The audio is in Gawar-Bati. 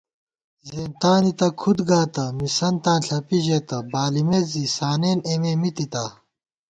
زېنتانی تہ کھُدنہ گاتہ مِسَنتاں ݪَپی ژېتہ، بالِمیت زی سانېن اېمےمِتِتا